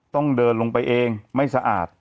ต้องเดินลงไปเองไม่สะอาด